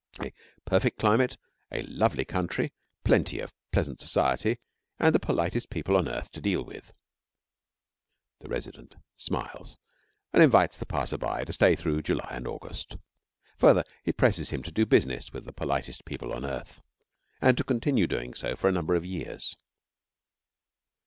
A perfect climate, a lovely country, plenty of pleasant society, and the politest people on earth to deal with. The resident smiles and invites the passer by to stay through July and August. Further, he presses him to do business with the politest people on earth, and to continue so doing for a term of years.